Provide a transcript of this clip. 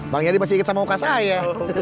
bang yadi masih ingat sama muka saya